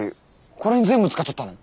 これに全部使っちゃったの？